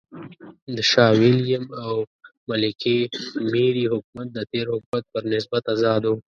د شاه وېلیم او ملکې مېري حکومت د تېر حکومت پر نسبت آزاد و.